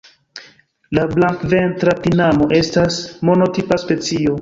La Blankventra tinamo estas monotipa specio.